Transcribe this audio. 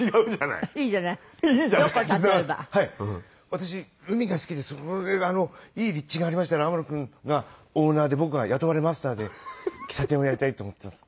私海が好きでいい立地がありましたら天野くんがオーナーで僕が雇われマスターで喫茶店をやりたいと思ってます。